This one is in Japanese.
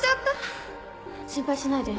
心配しないで。